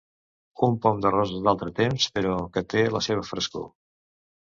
Un pom de roses d'altre temps però que té la seva frescor.